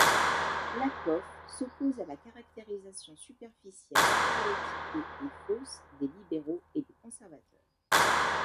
Lakoff s'oppose à la caractérisation superficielle, stéréotypée et fausse des libéraux et des conservateurs.